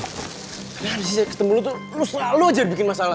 ternyata sih ketemu lo tuh lo selalu aja bikin masalah